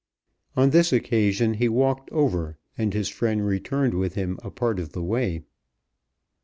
On this occasion he walked over, and his friend returned with him a part of the way.